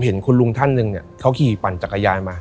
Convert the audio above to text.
เห็นคุณลุงท่านหนึ่งเขาขี่ปั่นจักรยานมา